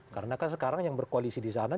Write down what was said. karena kan sekarang yang berkoalisi disana